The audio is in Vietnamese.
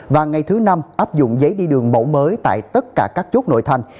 và ngày thứ năm áp dụng giấy đi đường mẫu mới tại tất cả các chốt nội thành